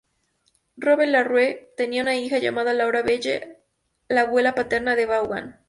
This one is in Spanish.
Robert LaRue tenía una hija llamada Laura Belle, la abuela paterna de Vaughan.